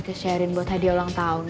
ke sharing buat hadiah ulang tahun